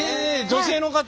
女性の方。